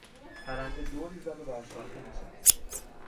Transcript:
پرنده دوری زد و بر شاخه نشست.